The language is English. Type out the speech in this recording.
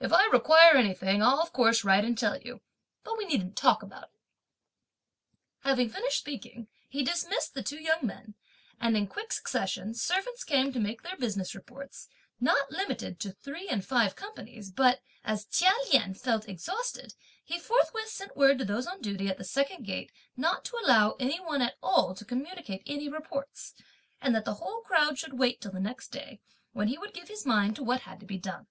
If I require anything, I'll of course write and tell you, but we needn't talk about it." Having finished speaking, he dismissed the two young men; and, in quick succession, servants came to make their business reports, not limited to three and five companies, but as Chia Lien felt exhausted, he forthwith sent word to those on duty at the second gate not to allow any one at all to communicate any reports, and that the whole crowd should wait till the next day, when he would give his mind to what had to be done.